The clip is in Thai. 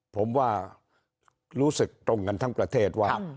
ผมว่ารู้สึกตรงกันทั้งประเทศว่า